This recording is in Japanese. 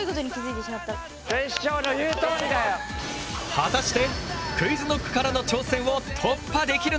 果たしてＱｕｉｚＫｎｏｃｋからの挑戦を突破できるのか！？